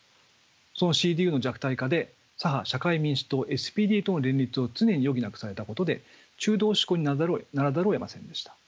そのＣＤＵの弱体化で左派社会民主党との連立を常に余儀なくされたことで中道志向にならざるをえませんでした。